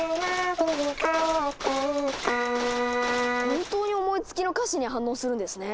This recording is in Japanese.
本当に思いつきの歌詞に反応するんですね！